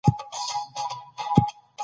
شرۍ څومره ښکلې ښکاري